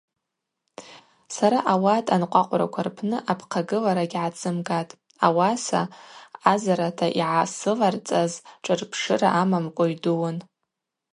Сара ауат анкъвакъвраква рпны апхъагылара гьгӏатзымгатӏ, ауаса ъазарата йгӏасыларцӏаз шӏырпшыра амамкӏва йдууын.